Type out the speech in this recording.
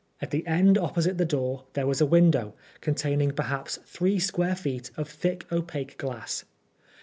At the end opposite the door there was a window, containing perhaps three square feet of thick opaque glass.